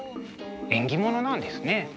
縁起ものなんですね。